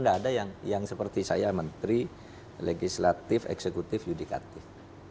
tidak ada yang seperti saya menteri legislatif eksekutif yudikatif